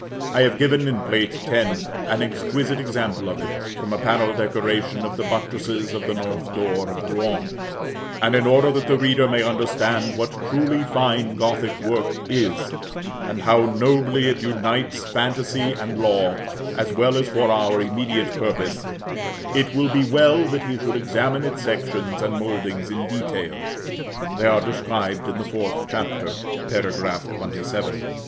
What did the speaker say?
I have given, in Plate X., an exquisite example of it, from a panel decoration of the buttresses of the north door of Rouen; and in order that the reader may understand what truly fine Gothic work is, and how nobly it unites fantasy and law, as well as for our immediate purpose, it will be well that he should examine its sections and mouldings in detail (they are described in the fourth Chapter, § xxvii.)